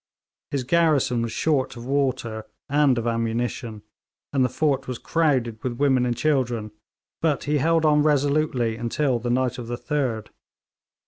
His garrison was short of water and of ammunition, and the fort was crowded with women and children, but he held on resolutely until the night of the 3d.